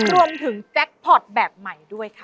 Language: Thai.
รวมถึงแจ๊คพอตแบบใหม่ด้วยค่ะ